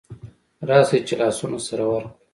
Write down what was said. راسئ چي لاسونه سره ورکړو